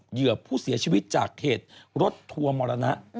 เหยื่อผู้เสียชีวิตจากเหตุรถทัวร์มรณะ